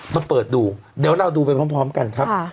มาเปิดดูเดี๋ยวเราดูไปพร้อมกันครับ